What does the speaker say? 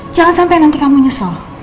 jangan sampai nanti kamu nyesel